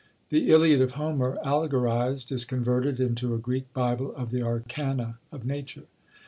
The Iliad of Homer allegorised, is converted into a Greek bible of the arcana of nature!